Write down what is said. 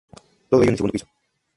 Todo ello en el segundo piso.